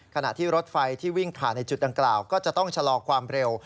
ขณะที่รถไฟที่วิ่งผ่านในจุดดังกล่าวก็จะต้องชะลอความเร็ว